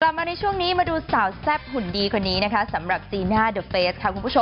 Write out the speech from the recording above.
กลับมาในช่วงนี้มาดูสาวแซ่บหุ่นดีคนนี้โดยกลุ่มสาวจีนาเดอร์เฟส